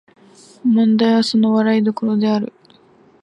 問題はその笑い所である